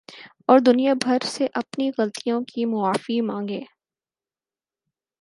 اور دنیا بھر سے اپنی غلطیوں کی معافی ما نگے